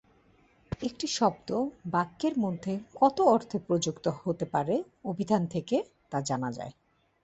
একটি শব্দ বাক্যের মধ্যে কত অর্থে প্রযুক্ত হতে পারে, অভিধান থেকে তা জানা যায়।